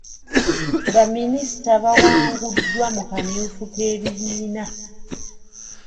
Baminisita bawanguddwa mu kamyufu k'ebibiina.